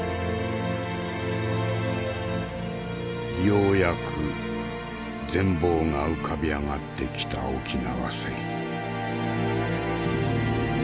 ようやく全貌が浮かび上がってきた沖縄戦。